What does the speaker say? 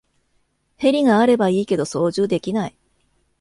ヘリがあればいいけど操縦できない